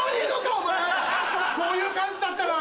お前こういう感じだったら。